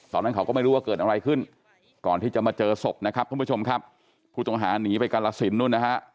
ตอนนั้นเขาก็ไม่รู้ว่าเกิดอะไรขึ้นก่อนที่จะมาเจอศพนะครับท่านผู้ชมครับผู้ต้องหาหนีไปกาลสินนู่นนะฮะ